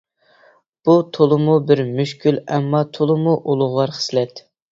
بۇ تولىمۇ بىر مۈشكۈل ئەمما تولىمۇ ئۇلۇغۋار خىسلەت.